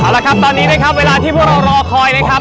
เอาละครับตอนนี้นะครับเวลาที่พวกเรารอคอยนะครับ